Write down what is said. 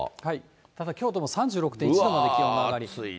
ただ、京都も３６．１度まで気温が上がってます。